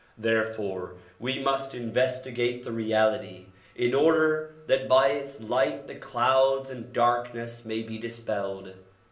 Therefore we must investi gate the reality in order that by its light the clouds and darkness may be dispelled.